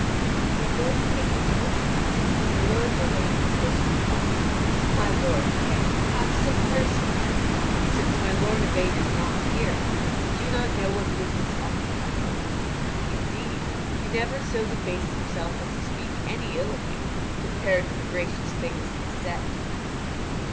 When my lord Kay had spoken thus, my lord Gawain made this reply: "My lord Kay, have some mercy now! Since my lord Yvain is not here, you do not know what business occupies him. Indeed, he never so debased himself as to speak any ill of you compared with the gracious things he has said."